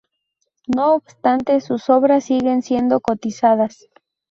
No obstante, sus obras siguen siendo cotizadas.